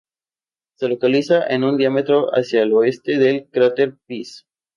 Se localiza a una diámetro hacia el oeste del cráter Pease.